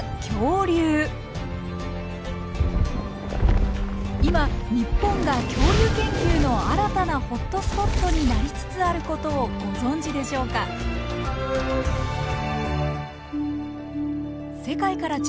今日本が恐竜研究の新たなホットスポットになりつつあることをご存じでしょうか。